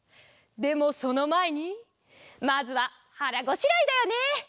でもそのまえにまずははらごしらえだよね。